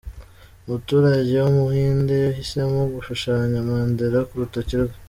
Umuturage w’Umuhindi yahisemo gushushanya Mandela ku rutoki rwe.